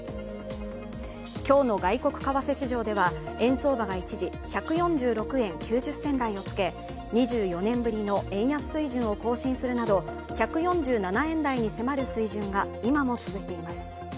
今日の外国為替市場では円相場が一時１４６円９０銭台をつけ、２４年ぶりの円安水準を更新するなど１４７円台に迫る水準が今も続いています。